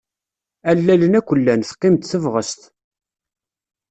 Allalen akk llan teqqim-d tebɣest.